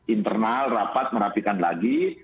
internal rapat merapikan lagi